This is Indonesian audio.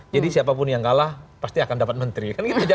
jadi siapapun yang kalah pasti akan dapat menteri